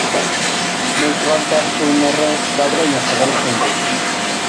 Neutraltasun horrek gaurdaino jarraitzen du.